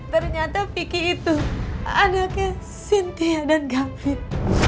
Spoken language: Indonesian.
ternyata vicky itu anaknya sintia dan gavin